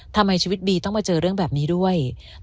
ทำไมชีวิตบีต้องมาเจอเรื่องแบบนี้ด้วย